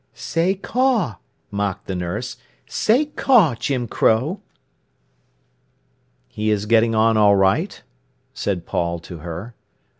"Say 'Caw!'" mocked the nurse. "Say 'Caw!' Jim Crow." "He is getting on all right?" said Paul to her.